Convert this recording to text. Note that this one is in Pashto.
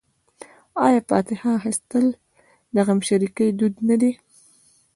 آیا فاتحه اخیستل د غمشریکۍ دود نه دی؟